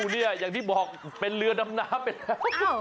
เนี่ยอย่างที่บอกเป็นเรือดำน้ำไปแล้ว